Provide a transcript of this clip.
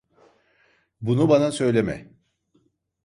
Bunu bana söyleme.